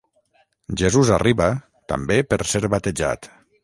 Jesús arriba, també per ser batejat.